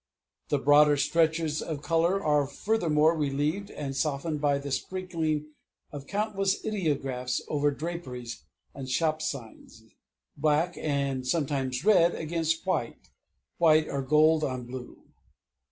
The broader stretches of color are furthermore relieved and softened by the sprinkling of countless ideographs over draperies and shop signs black, (and sometimes red) against white; white or gold on blue.